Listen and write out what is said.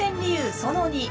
その２。